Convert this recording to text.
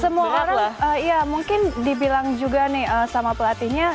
semua orang ya mungkin dibilang juga nih sama pelatihnya